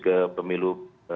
ke pemilu dua ribu dua puluh empat